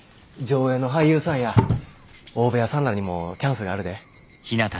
条映の俳優さんや大部屋さんらにもチャンスがあるで。